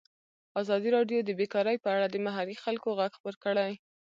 ازادي راډیو د بیکاري په اړه د محلي خلکو غږ خپور کړی.